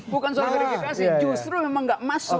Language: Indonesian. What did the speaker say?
bukan soal verifikasi justru memang nggak masuk